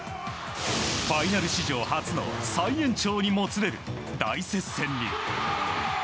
ファイナル史上初の再延長にもつれる大接戦に。